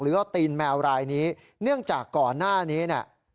ว่าตีนแมวรายนี้เนื่องจากก่อนหน้านี้เนี่ย